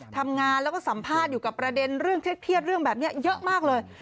ทำงานแล้วก็สัมภาษณ์อยู่กับประเด็นเรื่องเครียดเรื่องแบบนี้เยอะมากเลย